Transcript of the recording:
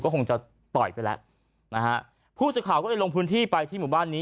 คงจะต่อยไปแล้วนะฮะผู้สื่อข่าวก็เลยลงพื้นที่ไปที่หมู่บ้านนี้